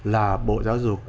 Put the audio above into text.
là bộ giáo dục